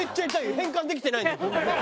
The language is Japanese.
変換できてないんだよ。